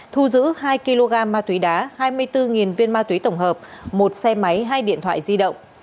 thu giữ hai kg ma túy đá hai mươi bốn viên ma túy tổng hợp một xe máy hai điện thoại di động